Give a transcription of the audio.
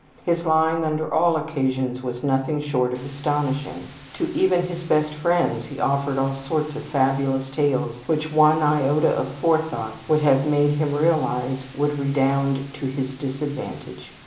His lying under all occasions was nothing short of astonishing. To even his best friends he offered all sorts of fabulous tales which one iota of forethought would have made him realize would redound to his disadvantage.